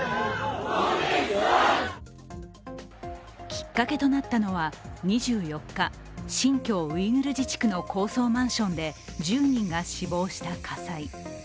きっかけとなったのは２４日、新疆ウイグル自治区の高層マンションで１０人が死亡した火災。